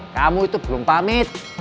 kamu itu belum pamit